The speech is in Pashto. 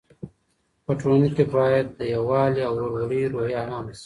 په ټولنه کې باید د یووالي او ورورولۍ روحیه عامه سي.